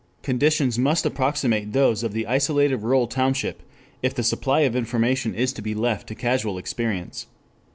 Conditions must approximate those of the isolated rural township if the supply of information is to be left to casual experience.